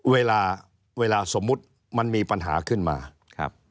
เวลาสมมติมันมีปัญหาขึ้นมา